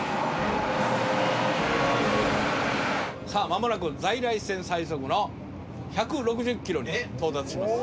さあ間もなく在来線最速の１６０キロに到達します。